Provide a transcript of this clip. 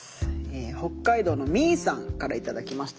北海道のみぃさんから頂きました。